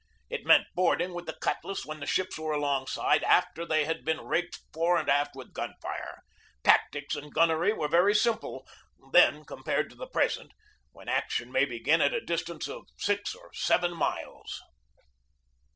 It meant boarding with the cutlass when the ships were alongside, after they had been raked fore and aft with gun fire. Tactics and gun nery were very simple then compared to the present, when action may begin at a distance of six or seven miles.